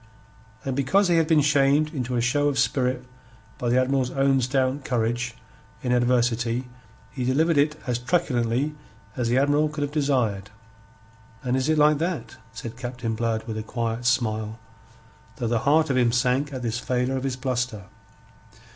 And because he had been shamed into a show of spirit by the Admiral's own stout courage in adversity, he delivered it as truculently as the Admiral could have desired. "And is it like that?" said Captain Blood with a quiet smile, though the heart of him sank at this failure of his bluster.